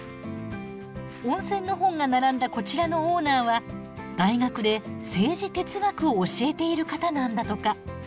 温泉の本が並んだこちらのオーナーは大学で政治哲学を教えている方なんだとか。